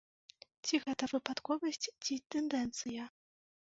Ці гэта выпадковасць, ці тэндэнцыя?